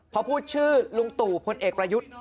พอพูดชื่อลุงตู่พลเอกประยุทธ์